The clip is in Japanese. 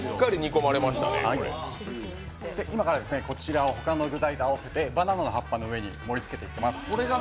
今からこちらを他の具材と合わせてバナナの葉っぱにのせていきます。